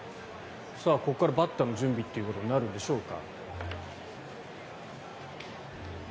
ここからバッターの準備ということになるんでしょうか。